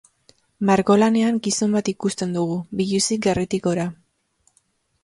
Margolanean gizon bat ikusten dugu, biluzik gerritik gora.